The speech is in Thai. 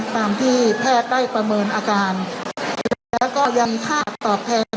ตามที่แพทย์ได้ประเมินอาการแล้วก็ยังค่าตอบแทน